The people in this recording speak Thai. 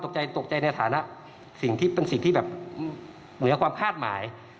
แต่ตกใจในฐานะเป็นสิ่งที่เหมือนความพาดหมาย